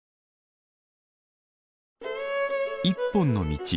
「一本の道」。